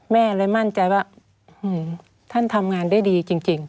แม่เลยมั่นใจว่าท่านทำงานได้ดีจริง